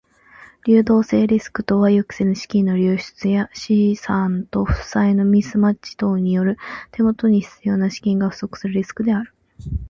流動性リスクとは予期せぬ資金の流出や資産と負債のミスマッチ等により手元に必要な資金が不足するリスクである。